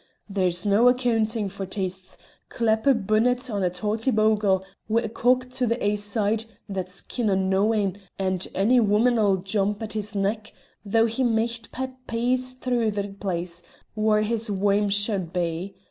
There's no accoontin' for tastes; clap a bunnet on a tawtie bogle, wi' a cock to the ae side that's kin' o' knowin', and ony woman'll jump at his neck, though ye micht pap peas through the place whaur his wame should be.